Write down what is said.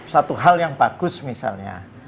satu hal yang bagus misalnya